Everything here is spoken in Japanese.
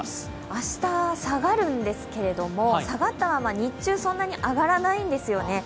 明日下がるんですけれども下がったまま、日中、そんなに上がらないんですよね。